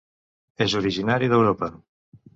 És originari d'Europa.